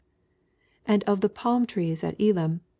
and of the pahn tre ,s at Elim.